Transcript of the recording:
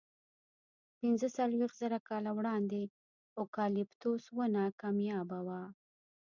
پینځهڅلوېښت زره کاله وړاندې اوکالیپتوس ونه کمیابه وه.